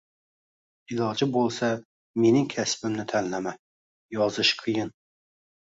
Iloji bo’lsa, mening kasbimni tanlama. Yozish qiyin.